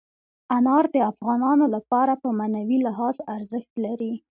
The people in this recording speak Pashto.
انار د افغانانو لپاره په معنوي لحاظ ارزښت لري.